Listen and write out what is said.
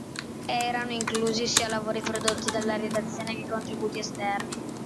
Erano inclusi sia lavori prodotti dalla redazione che contributi esterni.